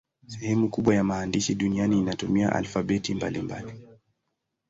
Sehemu kubwa ya maandishi duniani inatumia alfabeti mbalimbali.